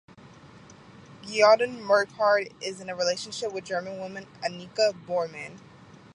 Gedeon Burkhard is in a relationship with a German woman, Anika Bormann.